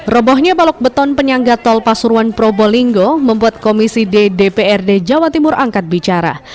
robohnya balok beton penyangga tol pasuruan probolinggo membuat komisi ddprd jawa timur angkat bicara